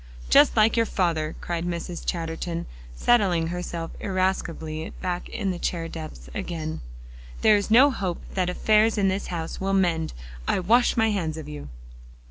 "Just like your father," cried Mrs. Chatterton, settling herself irascibly back in the chair depths again. "There is no hope that affairs in this house will mend. I wash my hands of you."